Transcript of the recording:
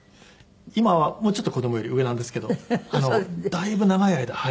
今はもうちょっと子供より上なんですけどだいぶ長い間拝見させて頂きました。